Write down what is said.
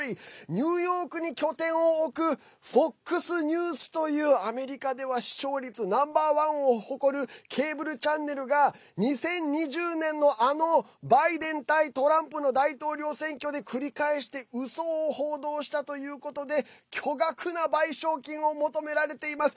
ニューヨークに拠点を置くＦＯＸニュースというアメリカでは視聴率ナンバーワンを誇るケーブルチャンネルが２０２０年のあのバイデン対トランプの大統領選挙で繰り返してうそを報道したということで巨額な賠償金を求められています。